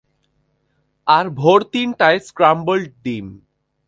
আর ভোর তিনটায় স্ক্র্যাম্বলড ডিম।